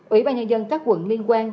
ủy ban nhân dân các quận liên quan